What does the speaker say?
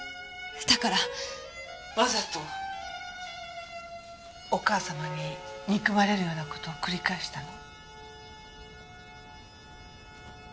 わざとお母様に憎まれるような事を繰り返したの？